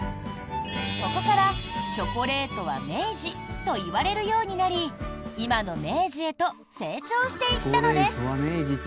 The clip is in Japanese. ここから、チョコレートは明治といわれるようになり今の明治へと成長していったのです。